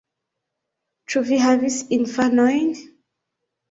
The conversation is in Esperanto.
Ĉu vi havis infanojn?